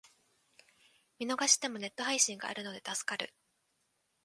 見逃してもネット配信があるので助かる